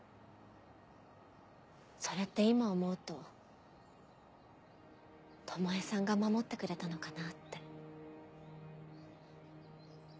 それって今思うと巴さんが守ってくれたのかなって。